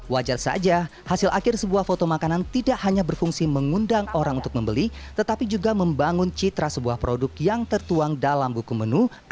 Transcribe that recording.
wajar saja hasil akhir sebuah foto makanan tidak hanya berfungsi mengundang orang untuk membeli tetapi juga membangun citra sebuah produk yang tertuang dalam buku menu